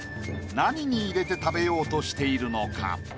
何に入れて食べようとしているのか？